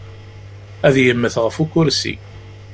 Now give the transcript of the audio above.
Ad yemmet ɣef ukursi.